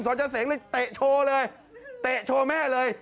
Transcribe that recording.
สจเสงเลยเตะโชว์เลยเตะโชว์แม่เลย